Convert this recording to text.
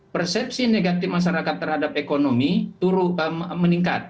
persepsi negatif masyarakat terhadap ekonomi meningkat